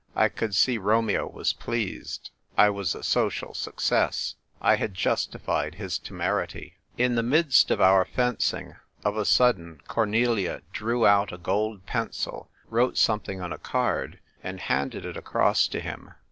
I could see Romeo was pleased. I was a social success. I had justified his temerity. In the midst of our fencing, of a sudden, Cornelia drew out a gold pencil, wrote some thing on a card, and handed it across to him.